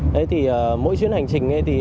thế thì mỗi chuyến hành trình ấy thì